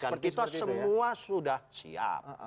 dan kita semua sudah siap